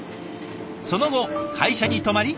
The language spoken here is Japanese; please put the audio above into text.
その後会社に泊まり